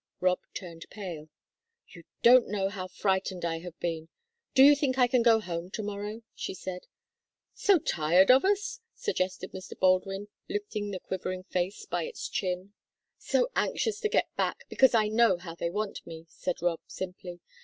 Rob turned pale. "You don't know how frightened I have been. Do you think I can go home to morrow?" she said. "So tired of us?" suggested Mr. Baldwin, lifting the quivering face by its chin. "So anxious to get back, because I know how they want me," said Rob, simply.